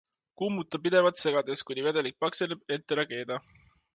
Kuumuta pidevalt segades, kuni vedelik pakseneb, ent ära keeda.